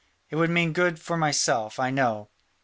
It would mean good for myself, I know."